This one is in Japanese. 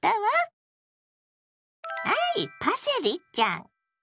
はいパセリちゃん。